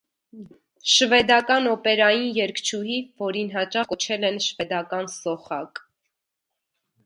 Շվեդական օպերային երգչուհի, որին հաճախ կոչել են «շվեդական սոխակ»։